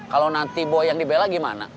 kalau nanti boy yang dibela gimana